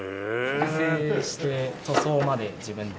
複製して塗装まで自分で。